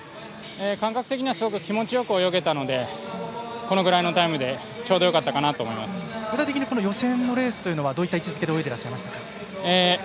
感覚的にはすごく気持ちよく泳げたのでこのぐらいのタイムで具体的に予選のレースはどういった位置づけで泳いでいらっしゃいましたか？